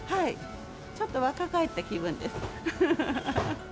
ちょっと若返った気分です。